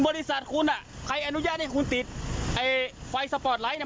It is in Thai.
บริษัทคุณอ่ะใครอนุญาตให้คุณติดไอ้ไฟสปอร์ตไลท์เนี่ย